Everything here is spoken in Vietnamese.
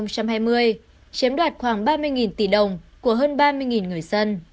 chiếm đoạt khoảng ba mươi tỷ đồng của hơn ba mươi người dân